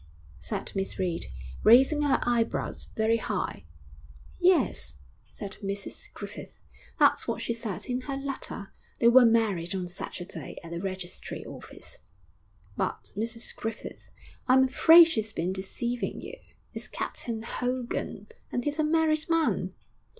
said Miss Reed, raising her eyebrows very high. 'Yes,' said Mrs Griffith, 'that's what she said in her letter; they were married on Saturday at a registry office.' 'But, Mrs Griffith, I'm afraid she's been deceiving you. It's Captain Hogan.... and he's a married man.'